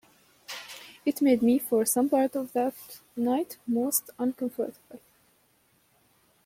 It made me for some part of that night most uncomfortable.